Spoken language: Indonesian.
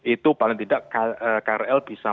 itu paling tidak krl bisa